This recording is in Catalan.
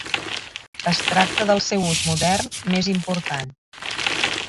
Es tracta del seu ús modern més important.